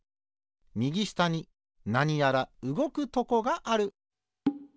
みぎしたになにやらうごくとこがある。